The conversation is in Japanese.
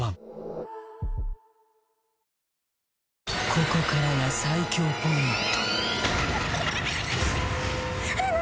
ここからが最恐ポイントえっ何？